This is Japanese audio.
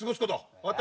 分かった？